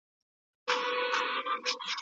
په چين کي د صنعت انکشاف ډېر چټک و.